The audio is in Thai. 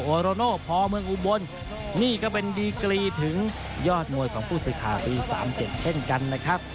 โรโน่พอเมืองอุบลนี่ก็เป็นดีกรีถึงยอดมวยของผู้สื่อข่าวปี๓๗เช่นกันนะครับ